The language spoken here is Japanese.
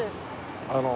あの。